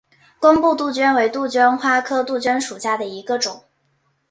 工布杜鹃为杜鹃花科杜鹃属下的一个种。